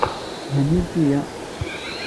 Hennimt-iyi!